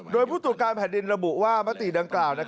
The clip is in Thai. โดยผู้ตรวจการแผ่นดินระบุว่ามติดังกล่าว